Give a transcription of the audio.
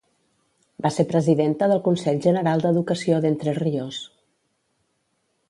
Va ser presidenta del Consell General d'Educació d'Entre Ríos.